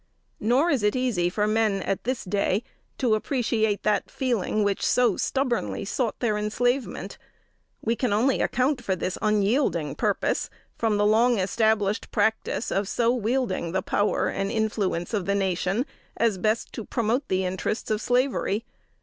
Nor is it easy for men at this day to appreciate that feeling which so stubbornly sought their enslavement; we can only account for this unyielding purpose, from the long established practice of so wielding the power and influence of the nation as best to promote the interests of slavery.